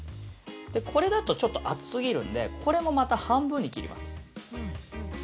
これだとちょっと厚すぎるんでこれもまた半分に切ります。